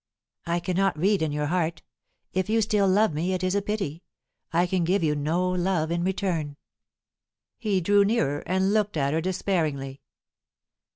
"I cannot read in your heart. If you still love me, it is a pity; I can give you no love in return." He drew nearer, and looked at her despairingly.